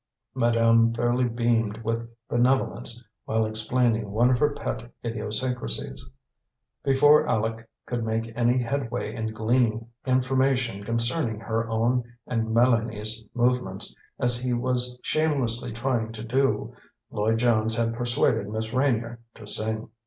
Madame fairly beamed with benevolence while explaining one of her pet idiosyncrasies. Before Aleck could make any headway in gleaning information concerning her own and Mélanie's movements, as he was shamelessly trying to do, Lloyd Jones had persuaded Miss Reynier to sing.